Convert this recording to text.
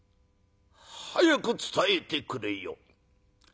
早く伝えてくれよ」。